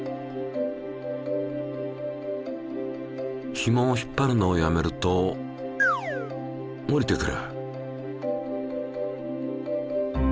ひもを引っ張るのをやめると下りてくる。